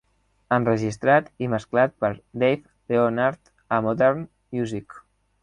Enregistrat i mesclat per Dave Leonard a Modern Music.